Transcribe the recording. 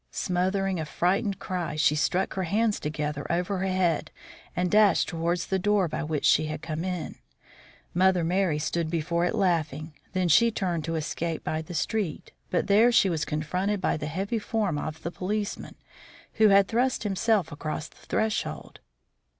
Smothering a frightened cry, she struck her hands together over her head and dashed towards the door by which she had come in. Mother Merry stood before it laughing. Then she turned to escape by the street; but there she was confronted by the heavy form of the policeman, who had thrust himself across the threshold.